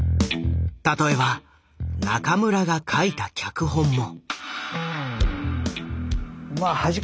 例えば中村が書いた脚本も。